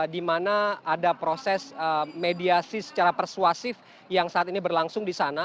di mana ada proses mediasi secara persuasif yang saat ini berlangsung di sana